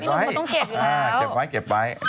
ไม่สิเก็บไว้